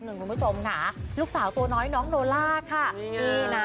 คุณผู้ชมค่ะลูกสาวตัวน้อยน้องโนล่าค่ะนี่นะ